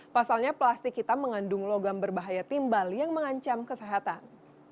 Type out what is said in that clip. pasalnya plastik hitam mengandung logam berbahaya timbal yang mengancam kesehatan